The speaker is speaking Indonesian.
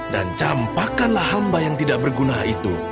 dan campakkanlah hamba yang tidak berguna itu